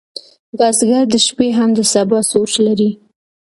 بزګر د شپې هم د سبا سوچ لري